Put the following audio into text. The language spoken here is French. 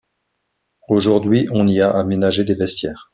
Aujourd’hui on y a aménagé des vestiaires.